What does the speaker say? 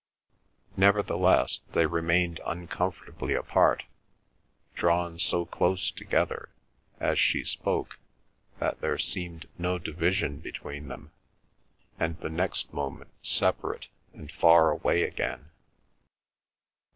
Nevertheless, they remained uncomfortably apart; drawn so close together, as she spoke, that there seemed no division between them, and the next moment separate and far away again.